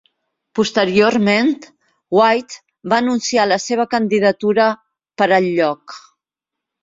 Posteriorment, White va anunciar la seva candidatura per al lloc.